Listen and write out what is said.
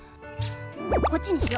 こっちにしよ。